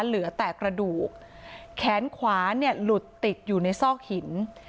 เหลือแต่กระดูกแขนขวาเนี่ยหลุดติดอยู่ในซอกหิน